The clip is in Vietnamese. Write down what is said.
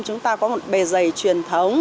chúng ta có một bề dày truyền thống